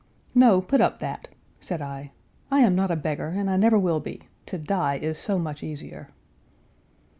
"No, put up that," said I. "I am not a beggar, and I never will be; to die is so much easier."